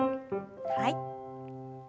はい。